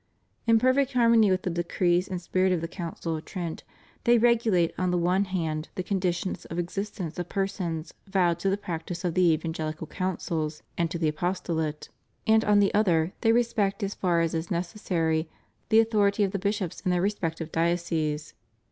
In perfect harmony with the decrees and spirit of the Council of Trent they regulate on the one hand the conditions of existence of persons vowed to the prac tise of the evangelical counsels and to the apostolate, and on the other they respect as far as is necessary the authority of the bishops in their respective dioceses.